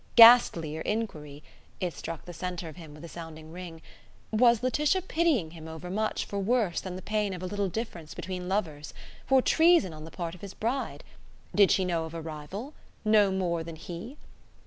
Ghastlier inquiry (it struck the centre of him with a sounding ring), was Laetitia pitying him overmuch for worse than the pain of a little difference between lovers for treason on the part of his bride? Did she know of a rival? know more than he?